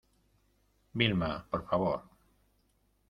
Vilma, por favor.